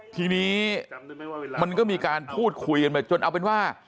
ทีนี้มันก็มีการพูดคุยกันไปจนเอาเป็นว่า